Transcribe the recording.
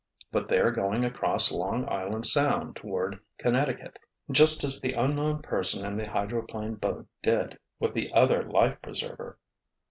But they're going across Long Island Sound toward Connecticut, just as the unknown person in the hydroplane boat did with the other life preserver."